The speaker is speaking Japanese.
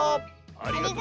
ありがとう。